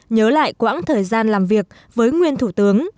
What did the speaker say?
nhớ lại quãng thời gian làm việc với nguyên thủ tướng